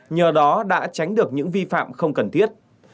nhờ đó đã tránh được những vi phạm không cần thiết